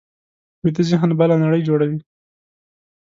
ویده ذهن بله نړۍ جوړوي